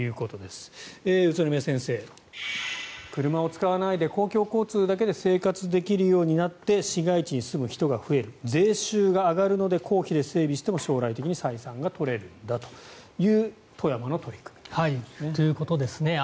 宇都宮先生、車を使わないで公共交通だけで生活できるようになって市街地に住む人が増える税収が上がるので公費で整備しても将来的に採算が取れるんだというということですね。